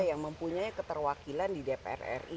yang mempunyai keterwakilan di dpr ri